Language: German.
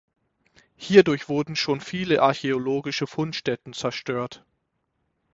Hierdurch wurden schon viele archäologische Fundstätten zerstört.